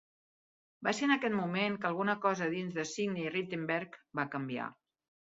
Va ser en aquest moment que alguna cosa dins de Sidney Rittenberg va canviar.